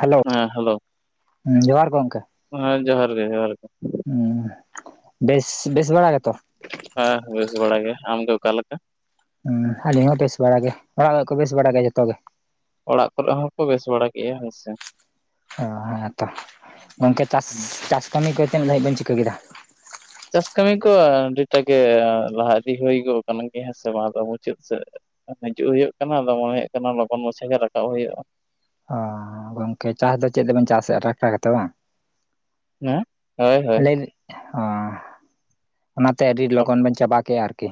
Hello ᱦᱮᱸ hello ᱡᱚᱦᱟᱨ ᱜᱮ ᱜᱚᱝᱠᱮ ᱦᱮᱸ ᱡᱚᱦᱟᱨ ᱜᱮ ᱡᱚᱦᱟᱨ ᱜᱮ ᱵᱮᱥ ᱵᱮᱥ ᱵᱟᱲᱟ ᱜᱮᱛᱚ ᱦᱮᱸ ᱵᱮᱥ ᱵᱟᱲ ᱜᱮ ᱟᱢ ᱫᱚ ᱚᱠᱟ ᱞᱮᱠᱟ ᱟᱹᱞᱤᱧ ᱦᱚᱸ ᱵᱮᱥ ᱵᱟᱲᱟᱜ ᱜᱮ ᱚᱲᱟᱜ ᱨᱮᱠᱚ ᱵᱮᱥ ᱵᱟᱲᱟᱜ ᱜᱮᱭᱟ ᱡᱚᱛᱚ ᱜᱮ ᱚᱲᱟᱜ ᱠᱚᱨᱮ ᱦᱚᱸᱠᱚ ᱵᱮᱥ ᱵᱟᱲᱟ ᱠᱭᱟ ᱦᱚᱭ ᱥᱮ ᱦᱮᱸ ᱛᱚ ᱜᱚᱝᱠᱮ ᱪᱟᱥ ᱪᱟᱥ ᱠᱟᱹᱢᱤ ᱠᱚ ᱛᱤᱱᱟᱹᱜ ᱫᱷᱟᱵᱤᱡ ᱵᱤᱱ ᱪᱤᱠᱟᱹ ᱠᱮᱫᱟ ᱪᱟᱥ ᱠᱟᱹᱢᱤ ᱠᱚ ᱟᱹᱰᱤᱴᱟ ᱜᱮ ᱞᱟᱦᱟ ᱤᱫᱤ ᱦᱳᱭᱜᱚᱫ ᱠᱟᱱᱟ ᱦᱮᱸ ᱥᱮ ᱵᱟᱝ ᱫᱚ ᱢᱩᱪᱟᱹᱫ ᱥᱮᱫ ᱦᱤᱡᱩᱜ ᱦᱩᱭᱩᱜ ᱠᱟᱱᱟ ᱢᱚᱱᱮ ᱦᱩᱭᱩᱜ ᱠᱟᱱᱟ ᱞᱚᱜᱚᱱ ᱢᱟᱪᱷᱟ ᱜᱮ ᱨᱟᱠᱟᱵ ᱦᱳᱭᱳᱜᱼᱟ ᱚ ᱜᱚᱝᱠᱮ ᱪᱟᱥ ᱫᱚ ᱪᱮᱫ ᱛᱮᱵᱮᱱ ᱪᱟᱥᱫᱼᱟ ᱴᱟᱠᱴᱟᱨ ᱛᱮ ᱵᱟᱝ ᱦᱩᱸ ᱦᱳᱭ ᱦᱳᱭ ᱞᱟᱹᱭ ᱚ ᱚᱱᱟᱛᱮ ᱟᱹᱰᱤ ᱞᱚᱜᱚᱱ ᱵᱮᱱ ᱪᱟᱵᱟ ᱠᱮᱜᱼᱟ ᱟᱨᱠᱤ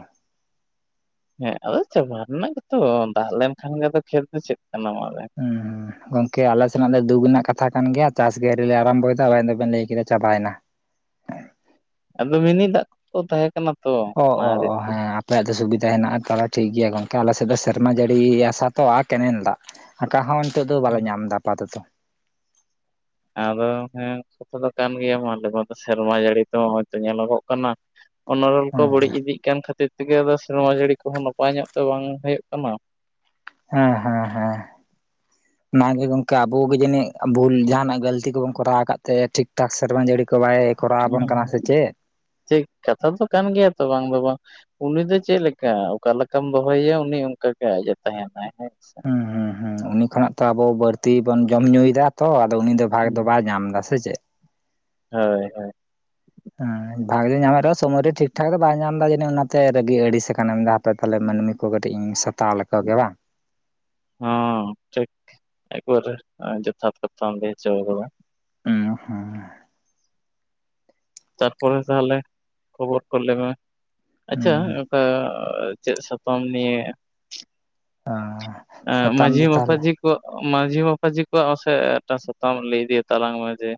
ᱦᱮᱸ ᱟᱫᱚ ᱪᱟᱵᱟ ᱨᱮᱱᱟᱜ ᱜᱮᱛᱚ ᱫᱟᱜ ᱞᱮᱱᱠᱷᱟᱱ ᱜᱮ ᱠᱷᱮᱛ ᱫᱚ ᱪᱮᱫ ᱠᱟᱱᱟ ᱦᱩᱸ ᱦᱩᱸ ᱜᱚᱝᱠᱮ ᱟᱞᱮ ᱥᱮᱱᱟᱜ ᱫᱚ ᱫᱩᱠ ᱨᱮᱱᱟᱜ ᱠᱟᱛᱷᱟ ᱠᱟᱱ ᱜᱮᱭᱟ ᱪᱟᱥ ᱜᱮ ᱟᱹᱶᱨᱤᱞᱮ ᱟᱨᱟᱢᱵᱚᱭ ᱫᱚ ᱟᱵᱮᱱ ᱫᱚᱵᱮᱱ ᱞᱟᱹᱭ ᱠᱮᱫᱟ ᱪᱟᱵᱟᱭᱮᱱᱟ ᱟᱫᱚ ᱢᱤᱱᱤ ᱫᱟᱜ ᱠᱚ ᱛᱟᱦᱮᱸ ᱠᱟᱱᱟ ᱛᱚ ᱚ ᱚᱱᱟ ᱚ ᱠᱷᱟᱹᱛᱤᱨ ᱚ ᱛᱮ ᱦᱮᱸ ᱟᱯᱭᱟᱜ ᱫᱚ ᱥᱩᱵᱤᱫᱟ ᱦᱮᱱᱟᱜᱼᱟ ᱛᱟᱦᱞᱮ ᱴᱷᱤᱠ ᱜᱮᱭᱟ ᱜᱚᱝᱠᱮ ᱟᱞᱮᱥᱮᱫ ᱫᱚ ᱥᱮᱨᱢᱟ ᱡᱟᱹᱲᱤ ᱟᱥᱟ ᱛᱚ ᱟ ᱠᱮᱱᱮᱞ ᱫᱟᱜ ᱟᱠᱟ ᱦᱚᱸ ᱱᱤᱛᱚᱜ ᱫᱚ ᱵᱟᱞᱮ ᱧᱟᱢ ᱮᱫᱟ ᱟᱯᱟᱛᱚᱛᱚ ᱟᱫᱚ ᱦᱮᱸ ᱠᱟᱛᱷᱟ ᱫᱚ ᱠᱟᱱ ᱜᱮᱭᱟ ᱟᱞᱮ ᱢᱟ ᱥᱮᱨᱢᱟ ᱡᱟᱹᱲᱤ ᱛᱚ [unintelligible] ᱧᱮᱞᱚᱜᱚᱜ ᱠᱟᱱᱟ ᱚᱱᱚᱲᱚᱞ ᱠᱚ ᱦᱮᱸ ᱵᱟᱹᱲᱤᱡ ᱤᱫᱤᱜ ᱠᱟᱱ ᱠᱷᱟᱹᱛᱤᱨ ᱛᱮᱜᱮ ᱟᱫᱚ ᱥᱮᱨᱢᱟ ᱡᱟᱹᱲᱤ ᱠᱚᱦᱚᱸ ᱱᱟᱯᱟᱭ ᱧᱚᱜ ᱛᱮ ᱵᱟᱝ ᱦᱳᱭᱳᱜ ᱠᱟᱱᱟ ᱦᱮᱸ ᱦᱮᱸ ᱦᱮᱸ ᱱᱟ ᱜᱮ ᱜᱚᱝᱠᱟ ᱟᱵᱚ ᱜᱮ ᱡᱟᱹᱱᱤᱡ ᱵᱷᱩᱞ ᱡᱟᱦᱟᱱᱟᱜ ᱜᱟᱞᱛᱤ ᱠᱚᱵᱚᱱ ᱠᱚᱨᱟᱣ ᱟᱠᱟᱫ ᱛᱮ ᱴᱷᱤᱠ ᱴᱷᱟᱠ ᱥᱮᱨᱢᱟ ᱡᱟᱹᱲᱤ ᱠᱚ ᱵᱟᱭ ᱠᱚᱨᱟᱣ ᱟᱵᱚᱱ ᱠᱟᱱᱟ ᱥᱮ ᱪᱮᱫ ᱴᱷᱤᱠ ᱠᱟᱛᱷᱟ ᱫᱚ ᱠᱟᱱ ᱜᱮᱭᱟ ᱛᱚ ᱵᱟᱝ ᱫᱚ ᱵᱟᱝ ᱩᱱᱤ ᱫᱚ ᱪᱮᱫ ᱞᱮᱠᱟ ᱚᱠᱟ ᱞᱮᱠᱟᱢ ᱫᱚᱦᱚᱭᱮᱭᱟ ᱩᱱᱤ ᱚᱱᱠᱟᱜᱮ ᱟᱡ ᱮ ᱛᱟᱦᱮᱱᱟᱭ ᱦᱮᱸ ᱥᱮ ᱦᱩᱸ ᱦᱩᱸ ᱦᱩᱸ ᱩᱱᱤ ᱠᱷᱚᱱᱟᱜ ᱛᱚ ᱟᱵᱚ ᱵᱟᱹᱲᱛᱤ ᱵᱚᱱ ᱡᱚᱢ ᱧᱩᱭᱫᱟ ᱛᱚ ᱟᱫᱚ ᱩᱱᱤ ᱫᱚ ᱵᱷᱟᱜᱽ ᱫᱚ ᱵᱟᱭ ᱧᱟᱢᱫᱟ ᱥᱮ ᱪᱮᱫ ᱦᱳᱭ ᱦᱳᱭ ᱦᱮᱸ ᱵᱷᱟᱜᱽᱮ ᱧᱟᱢᱮᱫ ᱨᱮᱦᱚᱸ ᱥᱚᱢᱚᱭ ᱨᱮ ᱴᱷᱤᱠ ᱴᱷᱟᱠ ᱫᱚ ᱵᱟᱭ ᱧᱟᱢᱫᱟ ᱡᱟᱹᱱᱤᱡ ᱚᱱᱟᱛᱮ ᱨᱟᱹᱜᱤ ᱟᱹᱲᱤᱥ ᱠᱟᱱᱟ ᱦᱟᱯᱮ ᱛᱟᱦᱞᱮ ᱢᱟᱹᱱᱢᱤ ᱠᱚ ᱠᱟᱹᱴᱤᱡ ᱤᱧ ᱥᱟᱛᱟᱣ ᱞᱮᱠᱚᱜᱮ ᱵᱟᱝ ᱦᱚᱸ ᱴᱷᱤᱠ ᱮᱠᱵᱟᱨᱮ ᱡᱚᱛᱷᱟᱛ ᱠᱟᱛᱷᱟᱢ ᱞᱟᱹᱭ ᱦᱚᱪᱚ ᱟᱠᱟᱫᱟ ᱦᱩᱸ ᱦᱩᱸ ᱛᱟᱨᱯᱚᱨᱮ ᱛᱟᱦᱞᱮ ᱠᱷᱚᱵᱚᱨ ᱠᱚ ᱞᱟᱹᱭ ᱢᱮ ᱦᱩᱸ ᱟᱪᱪᱷᱟ ᱚᱠᱟ ᱪᱮᱫ ᱥᱟᱛᱟᱢ ᱱᱤᱭᱮ ᱮᱦ ᱢᱟᱺᱡᱷᱤ ᱢᱟᱯᱟᱡᱤ ᱢᱟᱺᱡᱷᱤ ᱢᱟᱯᱟᱡᱤ ᱠᱚᱣᱟᱜ ᱥᱮ ᱮᱴᱟᱜ ᱥᱟᱛᱟᱢ ᱞᱟᱹᱭ ᱤᱫᱤ ᱛᱟᱞᱟᱝ ᱢᱮ ᱡᱮ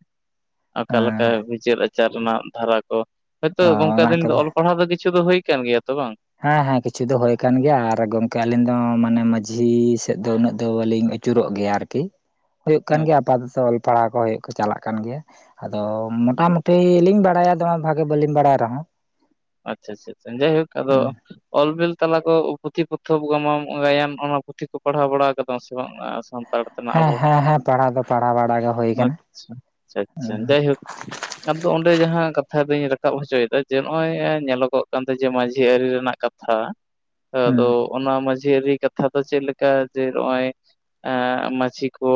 ᱟᱠᱟ ᱞᱮᱠᱟ ᱵᱤᱪᱟᱹᱨ ᱟᱪᱟᱨ ᱨᱮᱱᱟᱜ ᱫᱷᱟᱨᱟ ᱠᱚ ᱦᱳᱭᱛᱳ ᱚ ᱜᱚᱝᱠᱮ ᱚᱱᱟ ᱟᱵᱤᱱ ᱫᱚ ᱠᱚᱫᱚ ᱚᱞ ᱯᱟᱲᱦᱟᱣ ᱫᱚ ᱠᱤᱪᱷᱩ ᱫᱚ ᱦᱳᱭ ᱠᱟᱱ ᱜᱮᱭᱟ ᱛᱚ ᱵᱟᱝ ᱦᱮᱸ ᱦᱮᱸ ᱠᱤᱪᱷᱩ ᱫᱚ ᱦᱳᱭ ᱠᱟᱱ ᱜᱮᱭᱟ ᱟᱨ ᱜᱚᱝᱠᱮ ᱟᱹᱞᱤᱧ ᱫᱚ ᱢᱟᱱᱮ ᱢᱟᱺᱡᱷᱤ ᱥᱮᱫ ᱫᱚ ᱩᱱᱟᱹᱜ ᱫᱚ ᱵᱟᱹᱞᱤᱧ ᱪᱩᱨᱚᱜ ᱜᱮᱭᱟ ᱟᱨᱠᱤ ᱦᱳᱭᱳᱜ ᱠᱟᱱ ᱦᱮᱸ ᱜᱮᱭᱟ ᱟᱯᱟᱛᱚ ᱚᱞ ᱯᱟᱲᱦᱟᱣ ᱠᱚ ᱦᱳᱭ ᱪᱟᱞᱟᱜ ᱠᱟᱱ ᱜᱮᱭᱟ ᱟᱫᱚ ᱢᱚᱴᱟᱢᱩᱴᱤ ᱞᱤᱧ ᱵᱟᱲᱟᱭᱟ ᱫᱚᱢᱮ ᱵᱷᱟᱜᱮ ᱵᱟᱹᱞᱤᱧ ᱵᱟᱲᱟᱭ ᱨᱮᱦᱚᱸ ᱟᱪᱪᱷᱟ ᱟᱪᱪᱷᱟ ᱡᱟᱭᱦᱳᱠ ᱟᱫᱚ ᱦᱩᱸ᱾ ᱚᱞ ᱵᱤᱞ ᱛᱟᱞᱟ ᱠᱚ ᱯᱩᱛᱷᱤ ᱯᱚᱛᱚᱵ ᱜᱟᱢᱟᱢ ᱜᱟᱭᱟᱱ ᱚᱱᱟ ᱯᱩᱛᱷᱤ ᱠᱚ ᱯᱟᱲᱦᱟᱣ ᱵᱟᱲᱟ ᱠᱟᱫᱟ ᱥᱮ ᱵᱟᱝ? ᱥᱟᱱᱛᱟᱲ ᱛᱮᱱᱟᱜ ᱦᱮᱸ ᱟᱵᱚ ᱦᱮᱸ ᱦᱮᱸ ᱯᱟᱲᱦᱟᱣ ᱫᱚ ᱯᱟᱲᱦᱟᱣ ᱵᱟᱲᱟ ᱜᱮ ᱦᱩᱭ [inaudible] ᱠᱟᱱᱟ ᱟᱪᱪᱷᱟ ᱟᱪᱪᱷᱟ ᱟᱪᱪᱷᱟ ᱡᱟᱭᱦᱳᱠ ᱟᱫᱚ ᱚᱸᱰᱮ ᱡᱟᱦᱟᱸ ᱠᱟᱛᱷᱟ ᱫᱚᱧ ᱨᱟᱠᱟᱵ ᱦᱚᱪᱚᱭᱮᱫᱟ ᱡᱮ ᱱᱚᱜᱼᱚᱭ ᱧᱮᱞᱚᱜᱚᱜ ᱠᱟᱱ ᱛᱟᱦᱮᱸ ᱡᱮ ᱢᱟᱺᱡᱷᱤ ᱟᱹᱨᱤ ᱨᱮᱱᱟᱜ ᱠᱟᱛᱷᱟ, ᱟᱫᱚ ᱚᱱᱟ ᱢᱟᱺᱡᱷᱤ ᱟᱹᱨᱤ ᱠᱟᱛᱷᱟ ᱫᱚ ᱪᱮᱫ ᱞᱮᱠᱟ ᱡᱮ ᱱᱚᱜᱼᱚᱭ ᱮᱻ ᱢᱟᱺᱡᱷᱤ ᱠᱚ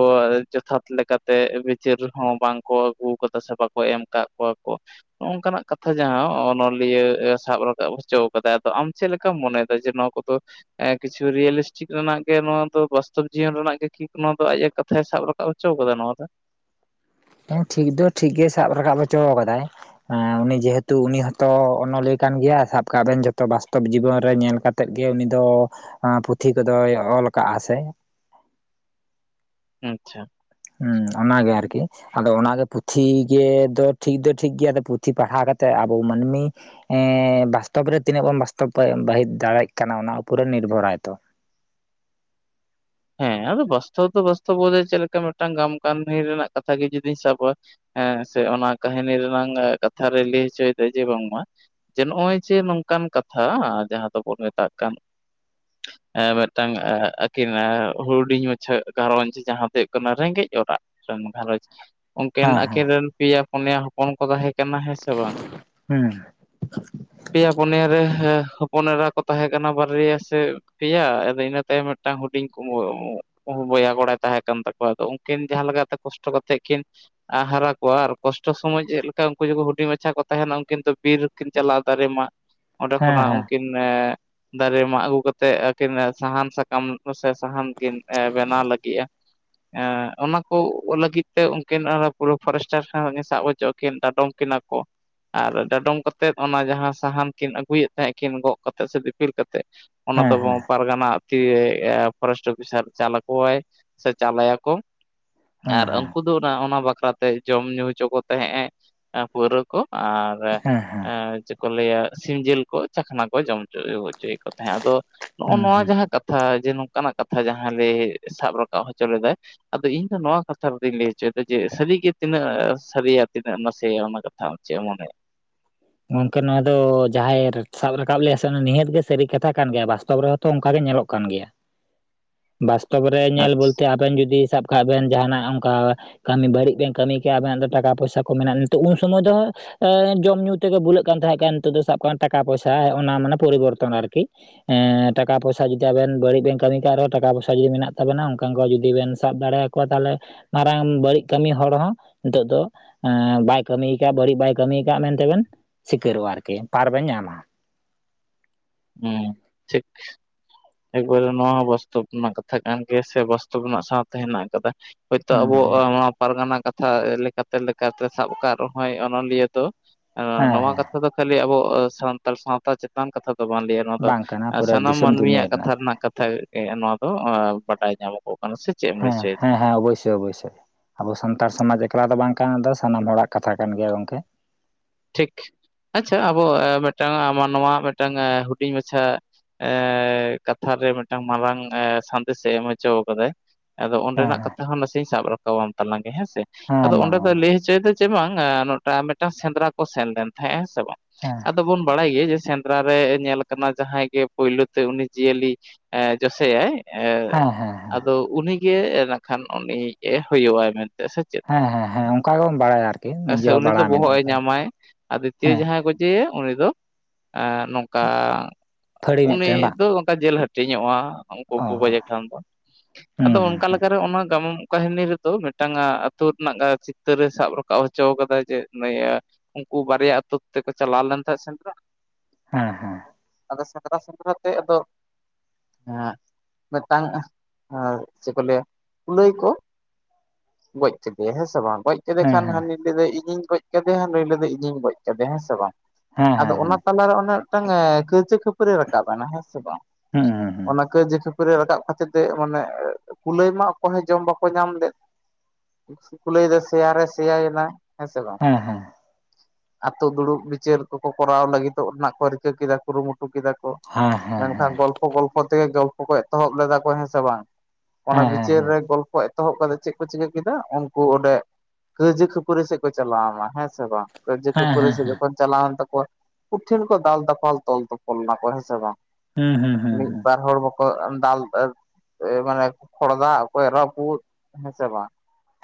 ᱡᱚᱛᱷᱟᱛ ᱞᱮᱠᱟᱛᱮ ᱵᱤᱪᱟᱹᱨ ᱦᱚᱸ ᱵᱟᱝᱠᱚ ᱟᱹᱜᱩ ᱠᱟᱫᱟ ᱥᱮ ᱵᱟᱝ ᱚᱠᱚᱭ ᱮᱢ ᱟᱠᱟᱫ ᱠᱚᱣᱟ ᱠᱚ ᱾ ᱱᱚᱝᱠᱟᱱᱟᱜ ᱠᱟᱛᱷᱟ ᱡᱟᱦᱟᱸ ᱚᱱᱚᱞ ᱤᱭᱟᱹ ᱥᱟᱵ ᱨᱟᱠᱟᱵ ᱦᱚᱪᱚ ᱠᱟᱫᱟᱭ ᱟᱫᱚ ᱟᱢ ᱪᱮᱫ ᱞᱮᱠᱟᱢ ᱢᱚᱱᱮᱭᱮᱫᱟ ᱡᱮ ᱱᱚᱣᱟ ᱠᱚᱫᱚ ᱠᱤᱪᱷᱩ ᱨᱤᱭᱮᱞᱤᱥᱴᱤᱠ ᱨᱮᱱᱟᱜ ᱜᱮ ᱱᱚᱣᱟ ᱫᱚ ᱵᱟᱥᱛᱚᱵ ᱡᱤᱭᱚᱱ ᱨᱮᱱᱟᱜ ᱜᱮ ᱠᱤ ᱱᱚᱣᱟ ᱫᱚ ᱟᱭᱟᱜ ᱠᱟᱛᱷᱟᱭ ᱥᱟᱵ ᱨᱟᱠᱟᱵ [unintelligible] ᱱᱚᱣᱟ ᱨᱮ ᱦᱮᱸ ᱴᱷᱤᱠ ᱫᱚ ᱴᱷᱤᱠ ᱜᱮ ᱥᱟᱵ ᱨᱟᱠᱟᱵ ᱦᱚᱪᱚ ᱟᱠᱟᱫᱟᱭ᱾ ᱩᱱᱤ ᱡᱮᱦᱮᱛᱩ ᱩᱱᱤ ᱦᱚᱸᱛᱚ ᱚᱱᱚᱞᱤᱭᱟᱹ ᱠᱟᱱ ᱜᱮᱭᱟ, ᱥᱟᱵ ᱠᱟᱜ ᱵᱮᱱ ᱡᱚᱛᱚ ᱵᱟᱥᱛᱚᱵ ᱡᱤᱵᱚᱱ ᱨᱮ ᱧᱮᱞ ᱠᱟᱛᱮ ᱛᱮᱫ ᱜᱮ ᱩᱱᱤ ᱫᱚ ᱯᱩᱛᱷᱤ ᱠᱚᱫᱚᱭ ᱚᱞ ᱟᱠᱟᱜᱼᱟ ᱥᱮ ᱟᱪᱪᱷᱟ ᱦᱩᱸ ᱚᱱᱟ ᱜᱮ ᱟᱨᱠᱤ ᱟᱫᱚ ᱚᱱᱟ ᱜᱮ ᱯᱩᱛᱷᱤ ᱜᱮ ᱴᱷᱤᱠ ᱫᱚ ᱴᱷᱤᱠ ᱜᱮᱭᱟ, ᱟᱫᱚ ᱯᱩᱛᱷᱤ ᱯᱟᱲᱦᱟᱣ ᱠᱟᱛᱮᱫ ᱟᱵᱚ ᱢᱟᱹᱱᱢᱤ ᱵᱟᱥᱛᱚᱵ ᱨᱮ ᱛᱤᱱᱟᱹᱜ ᱵᱚᱱ ᱵᱟᱥᱛᱚᱵ ᱵᱟᱹᱦᱤᱛ ᱫᱟᱲᱮᱭᱟᱜ ᱠᱟᱱᱟ ᱚᱱᱟ ᱩᱯᱚᱨᱮ ᱱᱤᱨᱵᱷᱚᱨᱟᱭ ᱛᱚ᱾ ᱦᱮᱸ ᱟᱫᱚ ᱵᱟᱥᱛᱚᱵ ᱫᱚ ᱵᱟᱥᱛᱚᱵ ᱵᱚᱞ ᱪᱮᱫ ᱞᱮᱠᱟ ᱢᱤᱫᱴᱟᱝ ᱜᱟᱢ ᱠᱟᱹᱱᱦᱤ ᱨᱮᱱᱟᱜ ᱠᱟᱛᱷᱟ ᱜᱮ ᱡᱩᱫᱤᱧ ᱥᱟᱵᱟᱼᱟ᱾ ᱦᱮᱸ ᱥᱮ ᱚᱱᱟ ᱠᱟᱹᱦᱤᱱᱤ ᱨᱮ ᱨᱮᱱᱟᱝ ᱠᱟᱛᱷᱟ ᱨᱮᱭ ᱞᱟᱹᱭ ᱦᱚᱪᱚᱭᱮᱫᱟ ᱡᱮ ᱵᱟᱝᱢᱟ ᱡᱮ ᱱᱚᱜᱼᱚᱭ ᱡᱮ ᱱᱚᱝᱠᱟᱱ ᱠᱟᱛᱷᱟ ᱡᱟᱦᱟᱸ ᱫᱚᱵᱚᱱ ᱢᱮᱛᱟᱜ ᱠᱟᱱ ᱦᱮᱸ ᱢᱤᱫᱴᱟᱝ ᱟᱠᱤᱱ ᱦᱩᱰᱤᱧ ᱢᱟᱪᱷᱷᱟ ᱜᱷᱟᱨᱚᱧᱡᱽ ᱡᱟᱦᱟᱸ ᱫᱚ ᱦᱩᱭᱩᱜ ᱠᱟᱱᱟ ᱨᱮᱸᱜᱮᱡ ᱚᱨᱟᱜ ᱜᱷᱟᱨᱚᱸᱧᱡᱽ ᱩᱱᱠᱤᱱ ᱦᱮᱸ ᱦᱮᱸ ᱟᱹᱠᱤᱱ ᱨᱮᱱ ᱯᱮᱭᱟ ᱯᱩᱱᱭᱟ ᱦᱚᱯᱚᱱ ᱠᱚ ᱛᱟᱦᱮᱸ ᱠᱟᱱᱟ ᱦᱮᱸ ᱥᱮ ᱵᱟᱝ ᱦᱩᱸ ᱯᱮᱭᱟ ᱯᱩᱱᱭᱟ ᱨᱮ ᱦᱚᱯᱚᱱ ᱮᱨᱟ ᱠᱚ ᱛᱟᱦᱮᱸ ᱠᱟᱱᱟ, ᱵᱟᱨᱭᱟ ᱥᱮ ᱯᱮᱭᱟ ᱟᱫᱚ ᱤᱱᱟᱹ ᱛᱟᱭᱚᱢ ᱢᱤᱫᱴᱟᱝ ᱦᱩᱰᱤᱧ [inaudible] ᱦᱩ ᱵᱚᱭᱦᱟ ᱠᱚᱲᱟᱭ ᱛᱟᱦᱮᱸ ᱠᱟᱱ ᱛᱟᱠᱚᱣᱟ ᱟᱫᱚ, ᱩᱱᱠᱤᱱ ᱡᱟᱦᱟᱸ ᱞᱮᱠᱟᱛᱮ ᱠᱚᱥᱴᱚ ᱠᱟ ᱠᱟᱛᱮᱫ ᱠᱤᱱ ᱦᱟᱨᱟ ᱠᱚᱣᱟ ᱟᱨ ᱠᱚᱥᱴᱚ ᱥᱚᱢᱚᱭ ᱪᱮᱫ ᱞᱮᱠᱟ ᱩᱱᱠᱩ ᱦᱩᱰᱤᱧ ᱢᱟᱪᱷᱟ ᱠᱚ ᱛᱟᱦᱮᱱᱟ ᱩᱱᱠᱤᱱ ᱫᱚ ᱵᱤᱨᱠᱤᱱ ᱪᱟᱞᱟᱜᱼᱟ ᱫᱟᱨᱮ ᱢᱟᱜ ᱚᱸᱰᱮ ᱦᱮᱸ ᱠᱷᱚᱱᱟᱜ ᱦᱮᱸ ᱩᱱᱠᱤᱱ ᱫᱟᱨᱮ ᱢᱟᱜ ᱟᱹᱜᱩ ᱠᱟᱛᱮ ᱟᱹᱠᱤᱱ ᱥᱟᱦᱟᱱ ᱥᱟᱠᱟᱢ ᱥᱮ ᱥᱟᱦᱟᱱ ᱠᱤᱱ ᱵᱮᱱᱟᱣ ᱞᱟᱹᱜᱤᱫᱼᱟ᱾ ᱚᱱᱟ ᱠᱚ ᱞᱟᱹᱜᱤᱫ ᱛᱮ ᱩᱱᱠᱤᱱ ᱯᱩᱨᱟᱹ ᱯᱷᱚᱨᱮᱥᱴᱟᱨ ᱥᱟᱣ ᱥᱟᱵ ᱦᱚᱪᱚᱜ ᱠᱤᱱ ᱰᱟᱰᱚᱢ ᱠᱤᱱᱟ ᱠᱚ ᱟᱨ ᱰᱟᱰᱚᱢ ᱠᱟᱛᱮᱫ ᱚᱱᱟ ᱡᱟᱦᱟᱸ ᱥᱟᱦᱟᱱ ᱠᱤᱱ ᱟᱹᱜᱩᱭᱮᱫ ᱛᱟᱦᱮᱸᱜ ᱠᱤᱱ ᱜᱚᱜ ᱠᱟᱛᱮᱫ ᱥᱮ ᱫᱤᱯᱤᱞ ᱠᱟᱛᱮᱫ ᱚᱱᱟ ᱦᱮᱸ ᱫᱚᱵ ᱦᱮᱸ ᱯᱟᱨᱜᱟᱱᱟ ᱛᱤᱼᱮ ᱯᱷᱚᱨᱮᱥᱴ ᱚᱯᱷᱤᱥᱟᱨ ᱪᱟᱞ ᱟᱠᱚᱣᱟᱭ ᱥᱮ ᱪᱟᱞᱟᱭ ᱟᱠᱼᱠᱚ, ᱦᱮᱸ ᱟᱨ ᱦᱮᱸ ᱩᱱᱠᱩ ᱩᱫᱩᱜ ᱮᱱᱟ ᱚᱱᱟ ᱵᱟᱠᱷᱨᱟᱛᱮ ᱡᱚᱢ ᱧᱩ ᱦᱚᱪᱚ ᱠᱚ ᱛᱟᱦᱮᱸᱜ ᱯᱟᱹᱣᱨᱟᱹ ᱠᱚ ᱟᱨ ᱦᱮᱸ ᱪᱮᱫ ᱠᱚ ᱞᱟᱹᱭᱟ ᱥᱤᱢ ᱡᱤᱞ ᱠᱚ ᱪᱟᱠᱷᱱᱟ ᱠᱚ ᱡᱚᱢ ᱦᱚᱪᱚ ᱦᱚᱪᱚᱭᱮᱫ ᱠᱚ ᱛᱟᱦᱮᱸᱫ ᱟᱫᱚ ᱱᱚᱜᱼᱚ ᱦᱩᱸ ᱱᱚᱣᱟ ᱦᱩᱸ ᱡᱟᱦᱟᱸ ᱠᱟᱛᱷᱟ ᱡᱮ ᱱᱚᱝᱠᱟᱱᱟᱜ ᱠᱟᱛᱷᱟ ᱡᱟᱦᱟᱸ ᱞᱮ ᱥᱟᱵ ᱨᱟᱠᱟᱵ ᱦᱚᱪᱚ ᱞᱮᱫᱟᱭ ᱟᱫᱚ ᱤᱧ ᱫᱚ ᱱᱚᱣᱟ ᱠᱟᱛᱷᱟ ᱨᱮᱫᱚᱧ ᱞᱟᱹᱭ ᱦᱚᱪᱚᱭᱮᱫᱟ ᱡᱮ ᱥᱟᱹᱨᱤ ᱜᱮ ᱛᱤᱱᱟᱹᱜ ᱥᱟᱹᱨᱤᱭᱟ ᱛᱤᱱᱟᱹᱜ ᱱᱟᱥᱮᱭᱟ ᱚᱱᱟ ᱠᱟᱛᱷᱟ ᱟᱢ ᱪᱮ ᱮᱢ ᱢᱚᱱᱮᱭᱟ ᱜᱚᱝᱠᱮ ᱱᱚᱣᱟ ᱫᱚ ᱡᱟᱦᱟᱸᱭᱮ ᱥᱟᱵ ᱨᱟᱠᱟᱵ ᱞᱮᱭᱟ ᱥᱮ ᱱᱤᱦᱟᱹᱛ ᱜᱮ ᱥᱟᱹᱨᱤ ᱠᱟᱛᱷᱟ ᱠᱟᱱ ᱜᱮᱭᱟ ᱵᱟᱥᱛᱚᱵ ᱨᱮᱦᱚᱸ ᱛᱚ ᱚᱱᱠᱟ ᱜᱮ ᱧᱮᱞᱚᱜ ᱠᱟᱱ ᱜᱮᱭᱟ ᱵᱟᱥᱛᱚᱵ ᱨᱮ ᱧᱮᱞ ᱟᱪᱪᱷᱟ ᱵᱚᱞᱛᱮ ᱟᱵᱮᱱ ᱡᱩᱫᱤ ᱥᱟᱵ ᱠᱷᱟᱜ ᱵᱮᱱ ᱡᱟᱦᱟᱱᱟᱜ ᱚᱝᱠᱟ [inaudible] ᱠᱟᱹᱢᱤ ᱵᱟᱹᱲᱤᱡ ᱵᱮᱱ ᱠᱟᱹᱢᱤ ᱠᱮᱭᱟ ᱟᱵᱮᱱᱟᱜ ᱫᱚ ᱴᱟᱠᱟ ᱯᱚᱭᱥᱟ ᱠᱚ ᱢᱮᱱᱟᱜᱼᱟ ᱱᱤᱛᱚᱜ ᱩᱱ ᱥᱚᱢᱚᱭ ᱫᱚ ᱡᱚᱢ ᱧᱩ ᱛᱮᱜᱮ ᱵᱩᱞᱟᱹᱜ ᱠᱟᱱ ᱛᱟᱦᱮᱸ ᱱᱤᱛᱚᱜ ᱫᱚ ᱥᱟᱵ ᱠᱟᱜ ᱴᱟᱠᱟ ᱯᱚᱭᱥᱟ ᱚᱱᱟ ᱢᱟᱱᱮ ᱯᱚᱨᱤᱵᱚᱨᱛᱚᱱ ᱟᱨᱠᱤ ᱴᱟᱠᱟ ᱯᱚᱭᱥᱟ ᱡᱩᱫᱤ ᱟᱵᱮᱱ ᱵᱟᱹᱲᱤᱡ ᱵᱮᱱ ᱠᱟᱹᱢᱤ ᱠᱟᱜ ᱨᱮᱦᱚ, ᱴᱟᱠᱟ ᱯᱚᱭᱥᱟ ᱡᱩᱫᱤ ᱢᱮᱱᱟᱜ ᱛᱟᱵᱮᱱᱟ ᱚᱱᱠᱟ ᱠᱚ ᱡᱩᱫᱤ ᱵᱮᱱ ᱥᱟᱵ ᱫᱟᱲᱮᱭᱟ ᱠᱚ ᱛᱟᱞᱮ ᱢᱟᱨᱟᱝ ᱵᱟᱹᱲᱤᱡ ᱠᱟᱹᱢᱤ ᱦᱚᱲ ᱦᱚᱸ ᱱᱤᱛᱚᱜ ᱫᱚ ᱵᱟᱭ ᱠᱟᱹᱢᱤᱭ ᱟᱠᱟᱫ ᱵᱟᱹᱲᱤᱡ ᱵᱟᱭ ᱠᱟᱹᱢᱤᱭ ᱠᱟᱜ ᱢᱮᱱᱛᱮᱵᱼᱱ ᱥᱤᱠᱟᱹᱨᱚᱜᱼᱟ ᱟᱨᱠᱤ ᱯᱟᱨ ᱵᱮᱱ ᱧᱟᱢᱟ᱾ ᱦᱩᱸ ᱴᱷᱤᱠ᱾ ᱮᱠᱵᱟᱨᱮ ᱱᱚᱣᱟ ᱦᱚᱸ ᱵᱟᱥᱛᱚᱵ ᱨᱮᱱᱟᱜ ᱠᱟᱛᱷᱟ ᱠᱟᱱ ᱜᱮᱭᱟ ᱥᱮ ᱵᱟᱥᱛᱚᱵ ᱨᱮᱱᱟᱜ ᱥᱟᱶᱛᱮ ᱦᱮᱱᱟᱜ ᱠᱟᱫᱟ᱾ ᱦᱳᱭᱛᱳ ᱦᱩᱸ ᱟᱵᱚ ᱦᱩᱸ ᱱᱚᱣᱟ ᱯᱟᱨᱜᱟᱱᱟ ᱠᱟᱛᱷᱟ ᱞᱮᱠᱟᱛᱮ, ᱞᱮᱠᱟᱛᱮ ᱥᱟᱵ ᱟᱠᱟᱫ ᱨᱮᱦᱚᱸᱭ ᱚᱱᱚᱞᱤᱭᱟᱹ ᱫᱚ ᱦᱮᱸ ᱱᱚᱣᱟ ᱦᱮᱸ ᱠᱟᱛᱷᱟ ᱫᱚ ᱠᱷᱟᱹᱞᱤ ᱟᱵᱚ ᱥᱟᱱᱛᱟᱲ ᱥᱟᱶᱛᱟ ᱪᱮᱛᱟᱱ ᱠᱟᱛᱷᱟ ᱫᱚ ᱵᱟᱝ ᱞᱟᱹᱭᱟ ᱱᱚᱣᱟ ᱫᱚ ᱵᱟᱝ ᱠᱟᱱᱟ ᱯᱩᱨᱟᱹ ᱥᱟᱱᱟᱢ ᱫᱤᱥᱚᱢ ᱫᱩᱱᱤᱭᱟᱹ ᱢᱟᱹᱱᱢᱤᱭᱟᱜ ᱠᱟᱛᱷᱟ ᱨᱮᱱᱟᱜ ᱠᱟᱛᱷᱟ ᱜᱮ ᱱᱚᱣᱟ ᱫᱚ ᱵᱟᱰᱟᱭ ᱧᱟᱢᱚᱜᱚᱜ ᱠᱟᱱᱟ ᱥᱮ ᱪᱮᱫ ᱮᱢ ᱞᱟᱹᱭ ᱦᱮᱸ ᱦᱚᱪᱚᱭᱮᱫᱟ ᱦᱮᱸ ᱦᱮᱸ ᱚᱵᱚᱥᱳᱭ ᱚᱵᱚᱥᱳᱭ ᱟᱵᱚ ᱥᱟᱱᱛᱟᱲ ᱥᱚᱢᱟᱡᱽ ᱮᱠᱞᱟ ᱫᱚ ᱵᱟᱝ ᱠᱟᱱᱟ ᱫᱚ ᱥᱟᱱᱟᱢ ᱦᱚᱲᱟᱜ ᱠᱟᱛᱷᱟ ᱠᱟᱱ ᱜᱮᱭᱟ ᱜᱚᱝᱠᱮ ᱴᱷᱤᱠ ᱟᱪᱪᱷᱟ ᱟᱵᱚ ᱢᱤᱫᱴᱟᱝ ᱢᱟᱱᱣᱟ ᱢᱤᱫᱴᱟᱝ ᱦᱩᱰᱤᱧ ᱢᱟᱪᱷᱟ ᱮᱸᱻ ᱠᱟᱛᱷᱟ ᱨᱮ ᱢᱤᱫᱴᱟᱝ ᱢᱟᱨᱟᱝ ᱮ ᱥᱟᱸᱫᱮᱥᱮ ᱮᱢ ᱦᱚᱪᱚ ᱠᱟᱫᱟᱭ ᱟᱫᱚ ᱦᱮᱸ ᱚᱸᱰᱮᱱᱟᱜ ᱦᱮᱸ ᱠᱟᱛᱷᱟ ᱦᱚᱸ ᱱᱟᱥᱮᱧ ᱥᱟᱵ ᱨᱟᱠᱟᱢ ᱟᱢ ᱛᱟᱞᱟᱝᱜᱮ ᱦᱮᱸ ᱥᱮ ᱦᱮᱸ ᱟᱫᱚ ᱢᱟ ᱚᱸᱰᱮ ᱫᱚ ᱞᱟᱹᱭ ᱦᱚᱪᱚᱭᱮᱫᱟ ᱥᱮ ᱵᱟᱝ ᱱᱚᱴᱟ ᱢᱤᱫᱴᱟᱝ ᱥᱮᱸᱫᱽᱨᱟ ᱠᱚ ᱥᱮᱱ ᱞᱮᱱ ᱛᱟᱦᱮᱸᱫᱼᱟ ᱦᱮᱸ ᱥᱮ ᱵᱟᱝ ᱦᱮᱸ ᱟᱫᱚ ᱵᱚᱱ ᱵᱟᱲᱟᱭ ᱜᱮᱭᱟ ᱡᱮ ᱥᱮᱸᱫᱽᱨᱟ ᱨᱮ ᱧᱮᱞ ᱠᱟᱱᱟ ᱡᱟᱦᱟᱸᱭ ᱜᱮ ᱯᱳᱭᱞᱳ ᱛᱮ ᱩᱱᱤ ᱡᱤᱭᱟᱹᱞᱤ ᱟᱸ ᱡᱚᱥᱮᱭᱟᱭ ᱮᱸᱻ ᱦᱮᱸ ᱦᱮᱸ ᱟᱫᱚ ᱩᱱᱤᱜᱮ ᱮ ᱱᱟᱜ ᱠᱷᱟᱱ ᱩᱱᱤᱭᱤᱡ-ᱮ ᱦᱩᱭᱩᱜ-ᱟ ᱢᱮᱱᱛᱮ ᱥᱮ ᱪᱮᱫ ᱦᱮᱸ ᱦᱮᱸ ᱦᱮᱸ ᱚᱝᱠᱟ ᱜᱮᱵᱚᱱ ᱵᱟᱲᱟᱭᱟ ᱟᱨᱠᱤ ᱥᱮ ᱱᱤᱡᱮ ᱦᱚᱸ ᱩᱱᱤ ᱫᱚ ᱵᱟᱲᱟᱭ ᱢᱮᱱᱟᱜ ᱵᱚᱦᱚᱜᱼᱮ ᱟᱠᱟᱫᱟ ᱧᱟᱢᱟᱭ ᱟᱨ ᱫᱤᱛᱤᱭᱚ ᱦᱮᱸ ᱡᱟᱦᱟᱸᱭ ᱠᱚ ᱡᱮ ᱩᱱᱤ ᱫᱚ ᱱᱚᱝᱠᱟ ᱯᱷᱟᱹᱲᱤ ᱩᱱᱤ ᱢᱤᱫᱴᱮᱱ ᱵᱟᱝ ᱫᱚ ᱚᱝᱠᱟ ᱡᱮᱞ ᱦᱟᱹᱴᱤ ᱦᱟᱹᱴᱤᱧᱚᱜᱼᱟ ᱩᱝᱠᱩ ᱚ ᱠᱚ ᱜᱚᱡᱮ ᱠᱷᱟᱱ ᱫᱚ ᱟᱫᱚ ᱦᱩᱸ ᱦᱩᱸ ᱚᱝᱠᱟ ᱦᱩᱸ ᱞᱮᱠᱟᱨᱮ ᱚᱱᱟ ᱜᱟᱢᱟᱢ ᱠᱟᱹᱦᱱᱤ ᱨᱮᱫᱚ ᱛᱚ, ᱢᱤᱫᱴᱟᱝ ᱟᱛᱳ ᱨᱮᱱᱟᱜ ᱜᱟ ᱪᱤᱛᱟᱹᱨ ᱨᱮ ᱥᱟᱵ ᱨᱟᱠᱟᱵ ᱟᱸᱠᱟᱣ ᱦᱚᱪᱚ ᱠᱟᱫᱟᱭ ᱡᱮ ᱱᱤᱭᱟᱹ ᱩᱝᱠᱩ ᱵᱟᱨᱭᱟ ᱟᱹᱛᱩ ᱛᱮᱠᱚ ᱪᱟᱞᱟᱣ ᱞᱮᱱ ᱛᱟᱦᱮᱸᱜ ᱥᱮᱸᱫᱽᱨᱟ ᱦᱮᱸ ᱦᱮᱸ ᱟᱫᱚ ᱥᱮᱸᱫᱽᱨᱟ ᱥᱮᱸᱫᱽᱨᱟ ᱛᱮ ᱟᱫᱚ ᱢᱤᱫᱴᱟᱝ ᱪᱮᱫ ᱠᱚ ᱞᱟᱹᱭᱟ ᱠᱩᱞᱟᱹᱭ ᱠᱚ ᱜᱚᱡ ᱠᱮᱫᱮᱭᱟ ᱦᱮᱸᱥᱮ ᱵᱟᱝ ᱜᱚᱡ ᱠᱮᱫ ᱦᱮᱸ ᱠᱷᱟᱱ ᱦᱟᱱᱤ ᱞᱟᱹᱭᱫᱟᱭ ᱤᱧᱤᱧ ᱜᱚᱡ ᱠᱮᱫᱮᱭᱟ ᱱᱩᱭ ᱞᱟᱹᱭᱫᱟᱭ ᱤᱧᱤᱧ ᱜᱚᱡ ᱠᱟᱫᱮᱭᱟ ᱦᱮᱸ ᱥᱮ ᱵᱟᱝ ᱦᱮᱸ ᱦᱮᱸ ᱟᱫᱚ ᱚᱱᱟ ᱦᱮᱸ ᱛᱟᱞᱟᱨᱮ ᱚᱱᱮ ᱢᱤᱫᱴᱟᱝ ᱠᱟᱹᱭᱡᱟᱹ ᱠᱷᱟᱹᱯᱟᱹᱨᱤ ᱨᱟᱠᱟᱵ ᱮᱱᱟ ᱦᱮᱸ ᱥᱮ ᱵᱟᱝ ᱦᱩᱸ ᱦᱩᱸ ᱦᱩᱸ ᱚᱱᱟ ᱠᱟᱹᱭᱡᱟᱹ ᱠᱷᱟᱹᱯᱟᱹᱨᱤ ᱠᱷᱟᱹᱯᱟᱹᱨᱤ ᱨᱟᱠᱟᱵ ᱠᱷᱟᱹᱛᱤᱨ ᱛᱮ ᱢᱟᱱᱮ ᱠᱩᱞᱟᱹᱭ ᱢᱟ ᱚᱠᱚᱭ ᱦᱚᱸ ᱡᱚᱢ ᱵᱟᱠᱚ ᱧᱟᱢ ᱞᱮᱫ ᱵᱩᱥᱩᱵ ᱯᱟᱞᱳᱭ ᱫᱚ ᱥᱮᱭᱟ ᱨᱮ ᱥᱮᱭᱟᱱᱟ ᱦᱮᱸ ᱥᱮ ᱵᱟᱝ ᱟᱹᱛᱳ ᱫᱩᱲᱩᱵ ᱵᱤᱪᱟᱹᱨ ᱠᱚᱠᱚ ᱠᱚᱨᱟᱣ ᱞᱟᱹᱜᱤᱫᱚᱜ ᱨᱮᱱᱟᱜ ᱠᱚ ᱨᱤᱠᱟᱹ ᱠᱮᱫᱟ ᱠᱩᱨᱩᱢᱩᱴᱩ ᱠᱮᱫᱟ ᱠᱚ ᱦᱮᱸ ᱦᱮᱸ ᱦᱮᱸ ᱦᱮᱸ ᱢᱮᱱᱠᱷᱟᱱ ᱜᱚᱞᱯᱷᱚ ᱜᱚᱞᱯᱷᱚ ᱛᱮᱜᱮ ᱜᱚᱞᱯᱷᱚ ᱠᱚ ᱮᱛᱚᱦᱚᱵ ᱞᱮᱫᱟ ᱠᱚ ᱦᱮᱸ ᱥᱮ ᱵᱟᱝ ᱚᱱᱟ ᱦᱮᱸ ᱵᱤᱪᱟᱹᱨ ᱦᱮᱸ ᱨᱮ ᱜᱚᱞᱯᱚ ᱮᱛᱚᱦᱚᱵ ᱠᱟᱛᱮᱫ ᱪᱮᱫ ᱠᱚ ᱪᱤᱠᱟᱹ ᱠᱮᱫᱟ ᱩᱱᱠᱩ ᱚᱸᱰᱮ ᱠᱟᱹᱭᱡᱟᱹ ᱠᱷᱟᱹᱯᱟᱹᱨᱤ ᱥᱮᱫ ᱠᱚ ᱪᱟᱞᱟᱣᱱᱟ ᱦᱮᱸ ᱥᱮ ᱵᱟᱝ ᱠᱟᱹᱭᱡᱟᱹ ᱦᱮᱸ ᱦᱮᱸ ᱠᱷᱟᱹᱯᱟᱹᱨᱤ ᱦᱮᱸ ᱥᱮᱫ ᱦᱮᱸ ᱡᱚᱠᱷᱚᱱ ᱪᱟᱞᱟᱣᱮᱱ ᱛᱟᱠᱚᱣᱟ ᱠᱩᱴᱷᱤᱱ ᱠᱚ ᱫᱟᱞ ᱫᱟᱯᱟᱞ ᱛᱚᱞ ᱛᱚᱯᱚᱞ ᱱᱟᱠᱚ ᱦᱮᱸ ᱥᱮ ᱵᱟᱝ ᱦᱩᱸ ᱦᱩᱸ ᱦᱩᱸ ᱢᱤᱫ ᱦᱩᱸ ᱵᱟᱨ ᱦᱚᱲ ᱵᱟᱠᱚ ᱦᱳᱭ ᱫᱟᱞ ᱢᱟᱱᱮ ᱠᱷᱚᱲᱫᱟ ᱚᱠᱚᱭ ᱨᱟᱹᱯᱩᱫ ᱦᱮᱸᱥᱮ ᱵᱟᱝ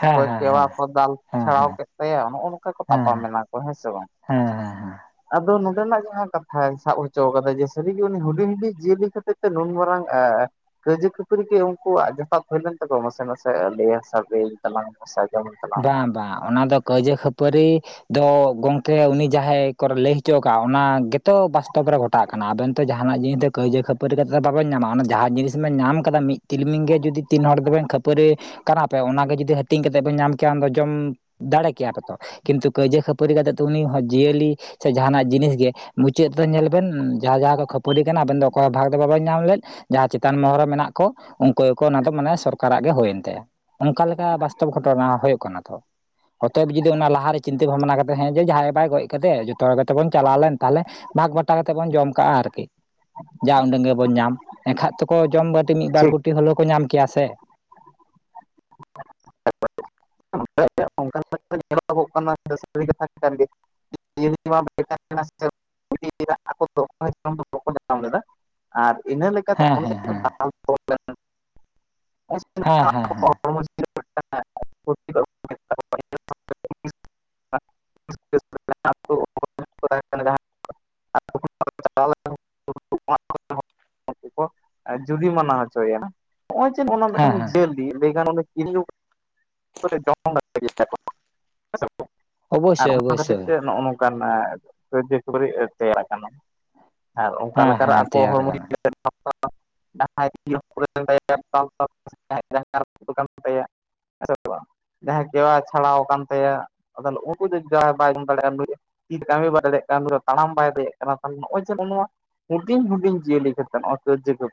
ᱦᱮᱸ ᱚᱠᱚᱭ ᱦᱮᱸ ᱠᱮᱣᱟ ᱠᱚ ᱦᱮᱸ ᱦᱮᱸ ᱦᱮᱸ ᱫᱟᱞ ᱪᱷᱟᱲᱟᱣ ᱦᱮᱸ ᱠᱮᱫ ᱛᱟᱭᱟ ᱱᱚᱜᱼᱚ ᱱᱚᱝᱠᱟ ᱠᱚ ᱦᱮᱸ ᱦᱮᱸ ᱛᱟᱯᱟᱢ ᱮᱱᱟ ᱠᱚ ᱦᱮᱸ ᱥᱮ ᱵᱟᱝ ᱦᱮᱸ ᱦᱮᱸ ᱟᱫᱚ ᱱᱚᱸᱰᱮᱱᱟᱜ ᱡᱟᱦᱟᱸ ᱠᱟᱛᱷᱟᱭ ᱥᱟᱵ ᱦᱚᱪᱚ ᱟᱠᱟᱫᱟ ᱡᱮ ᱥᱟᱹᱨᱤᱜᱮ ᱩᱱᱤ ᱦᱩᱰᱤᱧ ᱦᱩᱰᱤᱧ ᱡᱤᱭᱟᱹᱞᱤ ᱠᱷᱟᱹᱛᱤᱨ ᱛᱮ ᱱᱩᱱ ᱢᱟᱨᱟᱝ ᱮᱸᱻ ᱠᱟᱹᱭᱡᱟᱹ ᱠᱷᱟᱹᱯᱟᱹᱨᱤ ᱜᱮ ᱩᱝᱠᱩᱣᱟᱜ ᱡᱚᱛᱷᱟᱛ ᱦᱩᱭ ᱞᱮᱱ ᱛᱟᱠᱚ ᱱᱟᱥᱮ ᱱᱟᱥᱮ ᱞᱟᱹᱭᱟᱱ ᱥᱟᱨᱫᱤᱭᱮᱱ ᱛᱟᱞᱟᱝ [inaudible] ᱵᱟᱝ ᱵᱟᱝ ᱚᱱᱟ ᱫᱚ ᱠᱟᱹᱭᱡᱟᱹ ᱠᱷᱟᱹᱯᱟᱹᱨᱤ ᱫᱚ ᱜᱚᱜᱠᱮ ᱩᱱᱤ ᱡᱟᱦᱟᱸᱭ ᱠᱚᱨ ᱞᱟᱹᱭ ᱦᱚᱪᱚ ᱠᱟᱜᱼᱟ ᱚᱱᱟ ᱜᱮᱛᱚ ᱵᱟᱥᱛᱚᱵ ᱨᱮ ᱜᱷᱚᱴᱟᱜ ᱠᱟᱱᱟ ᱟᱵᱮᱱ ᱛᱚ ᱡᱟᱦᱟᱱᱟᱜ ᱡᱤᱱᱤᱥ ᱫᱚ ᱠᱟᱹᱭᱡᱟᱹ ᱠᱷᱟᱹᱯᱟᱹᱨᱤ ᱠᱟᱛᱮᱫ ᱫᱚ ᱵᱟᱵᱤᱱ ᱧᱟᱢᱟ ᱚᱱᱟ ᱡᱟᱦᱟᱸ ᱡᱤᱱᱤᱥ ᱵᱮᱱ ᱧᱟᱢ ᱟᱠᱟᱫᱟ ᱢᱤᱫ ᱛᱤᱞᱢᱤᱧ ᱜᱮ ᱡᱩᱫᱤ ᱛᱤᱱ ᱦᱚᱲ ᱫᱚᱵᱤᱱ ᱠᱷᱟᱹᱯᱟᱹᱨᱤᱭᱟ ᱠᱟᱱᱟ ᱚᱱᱟ ᱜᱮ ᱡᱩᱫᱤ ᱦᱟᱹᱴᱤᱧ ᱠᱟᱛᱮ ᱵᱮ ᱧᱟᱢ ᱪᱟᱸᱫᱚ ᱡᱚᱢ ᱫᱟᱲᱮ ᱠᱮᱭᱟ ᱠᱚᱛᱚ ᱠᱤᱱᱛᱩ ᱠᱟᱹᱭᱡᱟᱹ ᱠᱷᱟᱹᱯᱟᱹᱨᱤ ᱠᱟᱛᱮ ᱫᱚ ᱩᱱᱤ ᱦᱚᱸ ᱡᱤᱭᱟᱹᱞᱤ ᱟᱪᱪᱷᱟ ᱡᱟᱸᱦᱟᱱᱟᱜ ᱡᱤᱱᱤᱥ ᱜᱮ ᱢᱩᱪᱟᱹᱫ ᱛᱮ ᱫᱚ ᱧᱮᱞ ᱵᱮᱱ ᱡᱟᱦᱟᱸ ᱡᱟᱦᱟᱸ ᱠᱚ ᱠᱷᱟᱹᱯᱟᱹᱨᱤ ᱠᱟᱱᱟ ᱟᱵᱮᱱ ᱫᱚ ᱚᱠᱚᱭ ᱵᱷᱟᱜᱽ ᱫᱚ ᱵᱟᱵᱮᱱ ᱧᱟᱢ ᱞᱮᱫ ᱡᱟᱦᱟᱸ ᱪᱮᱛᱟᱱ ᱢᱚᱦᱚᱨ ᱨᱮ ᱢᱮᱱᱟᱜ ᱠᱚ ᱩᱱᱠᱩ ᱜᱮᱠᱚ ᱚᱱᱟ ᱫᱚ ᱢᱟᱱᱮ ᱥᱚᱨᱠᱟᱨᱟᱜ ᱜᱮ ᱦᱩᱭᱮᱱ ᱛᱟᱭᱟ ᱚᱝᱠᱟ ᱞᱮᱠᱟ ᱵᱟᱥᱛᱚᱵ ᱜᱷᱚᱴᱚᱱᱟ ᱦᱩᱭᱩᱜ ᱠᱟᱱᱟ ᱛᱚ ᱚᱛᱚᱮᱵ ᱡᱩᱫᱤ ᱚᱱᱟ ᱞᱟᱦᱟᱨᱮ ᱪᱤᱱᱛᱟᱹ ᱵᱷᱟᱵᱽᱱᱟ ᱠᱟᱛᱮᱸᱦᱮ ᱡᱮ ᱡᱟᱦᱟᱸᱭ ᱵᱟᱭ ᱜᱚᱡ ᱠᱟᱛᱮ ᱡᱚᱛᱚ ᱦᱚᱲ ᱜᱮᱛᱚᱵᱚᱱ ᱪᱟᱞᱟᱣ ᱞᱮᱱ ᱛᱟᱦᱞᱮ ᱵᱷᱟᱜᱽ ᱵᱟᱴᱟ ᱠᱟᱛᱮᱫ ᱵᱚᱱ ᱡᱚᱢ ᱠᱟᱜᱼᱟ ᱟᱨᱠᱤ ᱡᱟ ᱩᱰᱟᱹᱝ ᱜᱮ ᱵᱚᱱ ᱧᱟᱢ ᱮᱠᱷᱟᱡ ᱛᱚᱠᱚ ᱡᱚᱢ ᱵᱟᱴᱤ ᱢᱤᱫ ᱵᱟᱨ ᱪᱮᱫ ᱠᱩᱴᱤ ᱦᱚᱞᱚ ᱠᱚ ᱧᱟᱢ ᱠᱮᱭᱟ ᱥᱮ ᱚᱱᱠᱟ [inaudible] ᱧᱮᱞᱚᱜᱚᱜ ᱠᱟᱱᱟ ᱠᱟᱛ [inaudible] ᱠᱟᱱ ᱜᱮ [unintelligible] ᱟᱨ ᱤᱱᱟᱹ ᱞᱮᱠᱟᱛᱮ ᱦᱮᱸ ᱚᱸᱰᱮ ᱦᱮᱸ ᱦᱮᱸ ᱫᱚ ᱦᱮᱸ ᱦᱮᱸ ᱦᱮᱸ ᱵᱟᱝ [inaudible] ᱡᱟᱦᱟᱸ [unintelligible] [unintelligible] [unintelligible] ᱡᱩᱫᱤ ᱢᱟᱱᱟᱣ ᱦᱚᱪᱚᱭᱮᱭᱟ ᱱᱚᱜᱼᱚᱭ ᱡᱮ ᱚᱱᱟ ᱦᱮᱸ ᱢᱤᱫᱴᱟᱝ ᱦᱮᱸ ᱡᱤᱭᱟᱹᱞᱤ ᱞᱟᱹᱭᱠᱷᱟᱱ [unintelligible] ᱟᱨ ᱚᱵᱚᱥᱥᱳᱭ ᱚᱱᱟ ᱠᱷᱟᱹᱛᱤᱨ ᱚᱵᱚᱥᱥᱳᱭ ᱛᱮ ᱱᱚᱜᱼᱚ ᱱᱚᱝᱠᱟᱱ ᱠᱟᱹᱣᱡᱚ ᱠᱷᱟᱹᱨᱤ ᱛᱮᱭᱟᱨ ᱟᱠᱟᱱᱟ ᱟᱨ ᱚᱱᱠᱟ ᱦᱮᱸ ᱞᱮᱠᱟ ᱦᱮᱸ ᱟᱠᱚ ᱛᱮᱭᱟᱨ ᱦᱚᱲᱢᱚ ᱟᱠᱟᱱᱟ [unintelligible] ᱠᱟᱱ ᱛᱟᱭᱟ ᱡᱟᱦᱟᱸ ᱠᱮᱣᱟ ᱪᱷᱟᱲᱟᱣ ᱟᱠᱟᱱ ᱛᱟᱭᱟ ᱟᱫᱚᱞ ᱩᱱᱠᱩ ᱡᱩᱫᱤ ᱡᱟᱦᱟᱸᱭ ᱵᱟᱭ ᱧᱩ ᱫᱟᱲᱮᱭᱟᱜᱼᱟ ᱛ ᱠᱟᱹᱢᱤ ᱵᱟᱭ ᱫᱟᱲᱮᱭᱟᱜ ᱠᱟᱱᱟ ᱛᱟᱲᱟᱢ ᱵᱟᱭ ᱫᱟᱲᱮᱭᱟᱜ ᱠᱟᱱᱟ ᱱᱚᱜᱼᱚᱭ ᱡᱮ ᱱᱚᱣᱟ ᱦᱩᱰᱤᱧ ᱦᱩᱰᱤᱧ ᱡᱤᱭᱟᱹᱞᱤ ᱠᱟᱛ ᱱᱚ ᱠᱟᱹᱡ ᱠᱚ